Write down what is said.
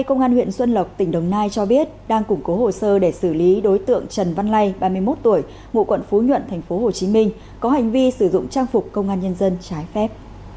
công an huyện xuân lộc tỉnh đồng nai cho biết đang củng cố hồ sơ để xử lý đối tượng trần văn lay ba mươi một tuổi ngụ quận phú nhuận tp hcm có hành vi sử dụng trang phục công an nhân dân trái phép